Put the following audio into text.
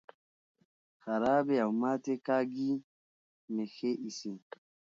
خرابې او ماتې کاږي مې ښې ایسي.